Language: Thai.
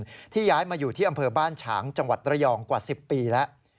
ที่ย้ายมาอยู่ที่อำเภอบ้านฉางจังหวัดระยองกว่า๑๐ปีแล้ว